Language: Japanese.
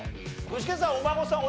具志堅さんお孫さん